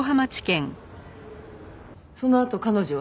そのあと彼女は？